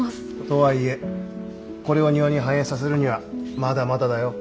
とはいえこれを庭に反映させるにはまだまだだよ。